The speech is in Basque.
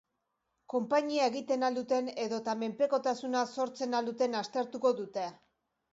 Konpainia egiten al duten edo eta menpekotasuna sortzen al duten aztertuko dute.